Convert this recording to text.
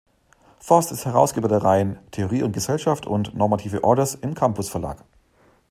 Forst ist Herausgeber der Reihen „Theorie und Gesellschaft“ und „Normative Orders“ im Campus Verlag.